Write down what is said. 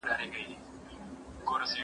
اخلاق د ټولني ښکلا ده.